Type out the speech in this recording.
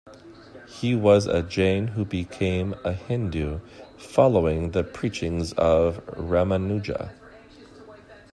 He was a Jain who became a Hindu following the preachings of Ramanuja.